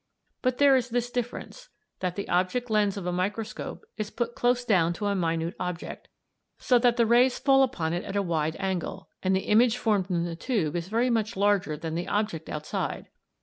But there is this difference, that the object lens of a microscope is put close down to a minute object, so that the rays fall upon it at a wide angle, and the image formed in the tube is very much larger than the object outside.